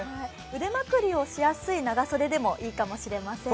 腕まくりをしやすい長袖でもいいかもしれません。